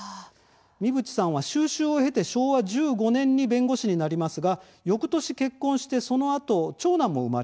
三淵さんは修習を経て昭和１５年に弁護士になりますがよくとし結婚してそのあと、長男も生まれます。